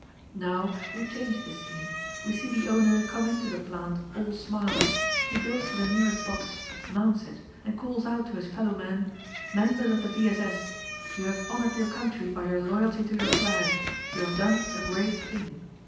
Now we change the scene : We see the owner come into the plant all smiles ; he goes to the nearest box, mounts it, and calls out to his fellow men : Members of the V. S. S. !— You have honored your country by your loyalty to your flag ; you have done a great thing.